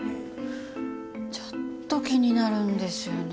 ちょっと気になるんですよね。